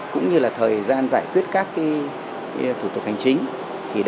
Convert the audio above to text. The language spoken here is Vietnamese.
cũng như thời gian giải quyết các thủ tục hành chính